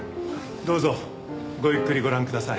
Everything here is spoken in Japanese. どうぞごゆっくりご覧ください。